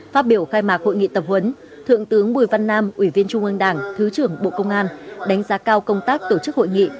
phát biểu khai mạc hội nghị tập huấn thượng tướng bùi văn nam ủy viên trung ương đảng thứ trưởng bộ công an đánh giá cao công tác tổ chức hội nghị